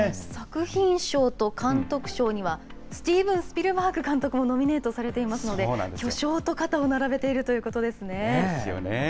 作品賞と監督賞には、スティーブン・スピルバーグ監督もノミネートされていますので、巨匠と肩を並べているということですよね。